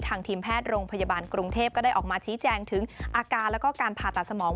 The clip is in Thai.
ทีมแพทย์โรงพยาบาลกรุงเทพก็ได้ออกมาชี้แจงถึงอาการแล้วก็การผ่าตัดสมอง